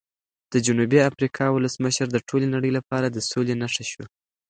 د جنوبي افریقا ولسمشر د ټولې نړۍ لپاره د سولې نښه شو.